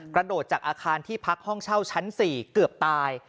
กระโดดจากอาคารที่พักห้องเช่าชั้น๔เกือบตาย